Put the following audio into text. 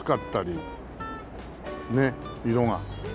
ねえ色が。